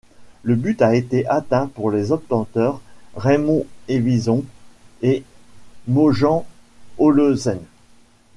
Le but a été atteint pour les obtenteurs Raymond Evison et Mogens Olesen.